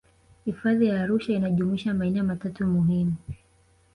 hifadhi ya arusha inajumuisha maeneo matatu muhimu